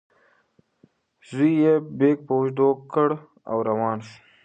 زوی یې بیک په اوږه کړ او روان شو.